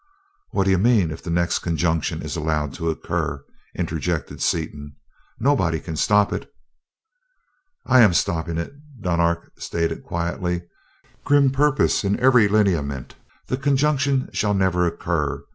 "' "What d'you mean 'if the next conjunction is allowed to occur?'" interjected Seaton. "Nobody can stop it." "I am stopping it," Dunark stated quietly, grim purpose in every lineament. "That conjunction shall never occur.